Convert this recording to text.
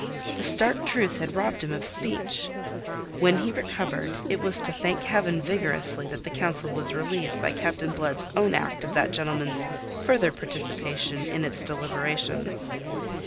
The stark truth had robbed him of speech. When he recovered, it was to thank Heaven vigorously that the council was relieved by Captain Blood's own act of that gentleman's further participation in its deliberations.